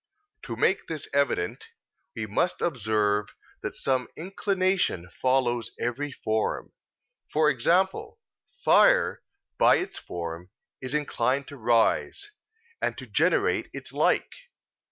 To make this evident, we must observe that some inclination follows every form: for example, fire, by its form, is inclined to rise, and to generate its like.